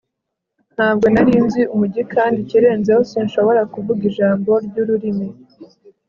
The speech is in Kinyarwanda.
Ntabwo nari nzi umujyi kandi ikirenzeho sinshobora kuvuga ijambo ryururimi